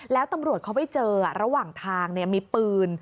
แล้วตำรวจเขาไปเจอระหว่างทางมีปืน